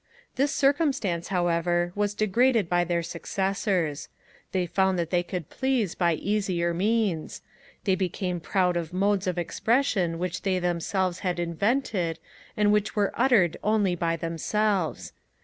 This circumstance, however, was disregarded by their successors; they found that they could please by easier means: they became proud of modes of expression which they themselves had invented, and which were uttered only by themselves.